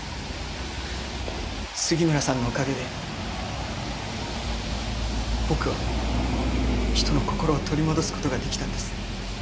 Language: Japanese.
杉村さんのおかげで僕は人の心を取り戻すことができたんです。